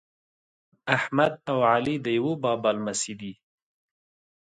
احمد او علي د یوه بابا لمسي دي.